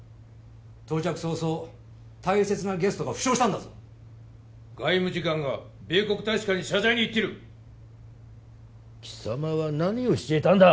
到着早々大切なゲストが負傷したんだぞ外務次官が米国大使館に謝罪に行ってる貴様は何をしていたんだ？